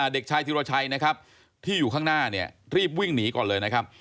เด็กชายธิรชัยนะครับที่อยู่ข้างหน้าเนี่ยรีบวิ่งหนีก่อนเลยนะครับ